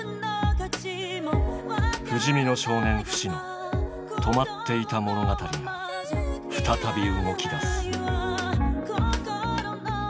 不死身の少年、フシの止まっていた物語が再び動きだす。